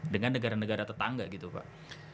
dengan negara negara tetangga gitu pak